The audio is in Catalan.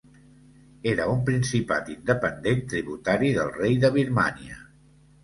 Era un principat independent tributari del rei de Birmània.